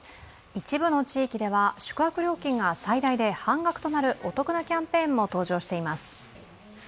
一部の地域では、宿泊料金が最大で半額となるお得なキャンペーンも登場しています。